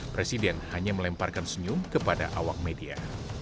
presiden hanya melemparkan senyum kepada awak media